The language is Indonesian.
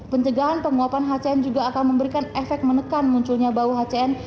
pencegahan penguapan hcn juga akan memberikan efek menekan munculnya bau hcn